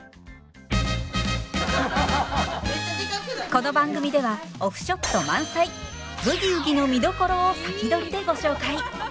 この番組ではオフショット満載！「ブギウギ」の見どころを先取りでご紹介。